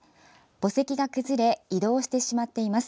墓石が崩れ移動してしまっています。